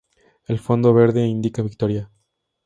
El fondo verde indica victoria.